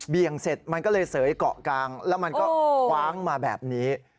งเสร็จมันก็เลยเสยเกาะกลางแล้วมันก็คว้างมาแบบนี้